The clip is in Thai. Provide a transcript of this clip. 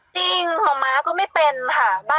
จริงมันมาก็ไม่เป็นค่ะ